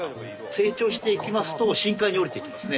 成長していきますと深海に下りていきますね。